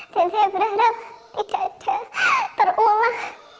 dan saya berharap tidak ada terulang